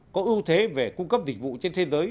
có ưu thế về cung cấp dịch vụ trên thế giới